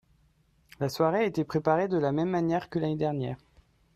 La soirée a été préparée de la même manière que l'année dernière.